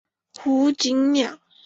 胡锦鸟。